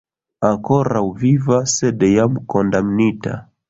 Ankoraŭ viva, sed jam kondamnita.